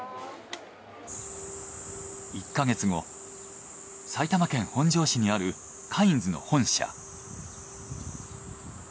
１か月後埼玉県本庄市にあるカインズの本社。